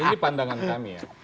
ini pandangan kami ya